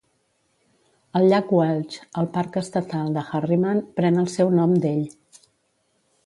El llac Welch al Parc Estatal de Harriman pren el seu nom d'ell.